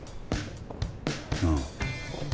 ああ。